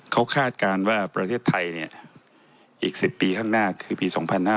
เขาคาดการณ์ว่าประเทศไทยอีก๑๐ปีข้างหน้าคือปี๒๕๕๙